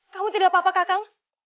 kamu tidak apa apa kakang